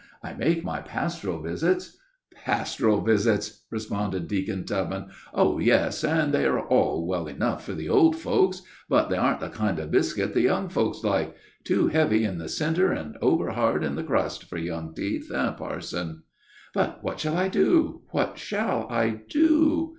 "I make my pastoral visits." "Pastoral visits!" responded Deacon Tubman. "Oh, yes, and they are all well enough for the old folks, but they ar'n't the kind of biscuit the young folks like too heavy in the centre, and over hard in the crust for young teeth, eh, parson?" "But what shall I do? what shall I do?"